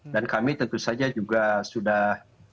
dan kami tentu saja juga sudah